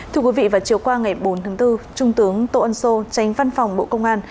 thưa quý vị vào chiều qua ngày bốn tháng bốn trung tướng tô ân sô tránh văn phòng bộ công an